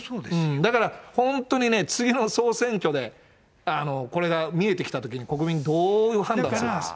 だから本当にね、次の総選挙でこれが見えてきたときに、国民、どういう判断するかですよ。